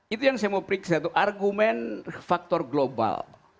itu yang saya mau periksa itu argumen faktor global